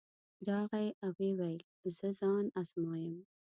راغی او ویې ویل زه ځان ازمایم.